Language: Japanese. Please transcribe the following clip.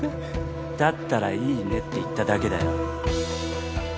だったらいいねって言っただけだよ